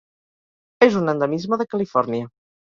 És un endemisme de Califòrnia.